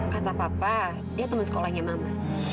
kata papa dia teman sekolahnya mama